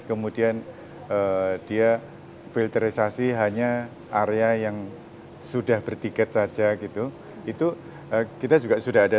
kemudian dia filterisasi hanya area yang sudah bertiket saja gitu itu kita juga sudah ada